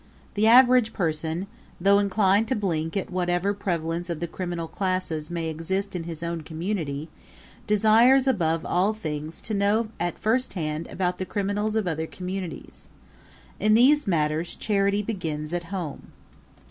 The average person, though inclined to blink at whatever prevalence of the criminal classes may exist in his own community, desires above all things to know at firsthand about the criminals of other communities. In these matters charity begins at home.